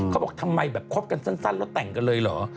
เขาบอกทำไมแบบคบกันสั้นแล้วแต่งกันเลยเหรอ